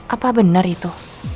apa bener itu